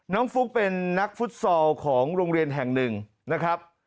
ฟุ๊กเป็นนักฟุตซอลของโรงเรียนแห่งหนึ่งนะครับ